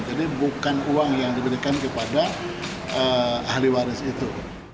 jadi bukan uang yang diberikan kepada ahli waris itu